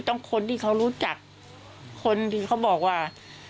คนที่เขารู้จักคนที่เขาบอกว่า